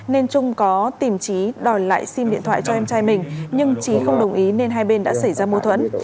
nên trung có tìm trí đòi lại sim điện thoại cho em trai mình nhưng trí không đồng ý nên hai bên đã xảy ra mâu thuẫn